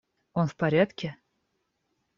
Он в порядке?